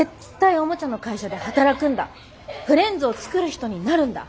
フレンズを作る人になるんだ！